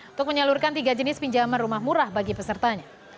untuk menyalurkan tiga jenis pinjaman rumah murah bagi pesertanya